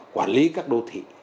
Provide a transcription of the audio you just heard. quản lý các đô thị